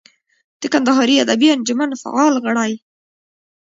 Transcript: د کندهاري ادبي انجمن فعال غړی.